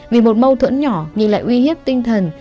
vì một mâu thuẫn nhỏ nhưng lại uy hiếp tinh thần